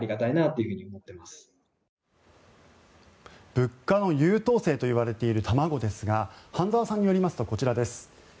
物価の優等生といわれている卵ですが半澤さんによりますとこちらです。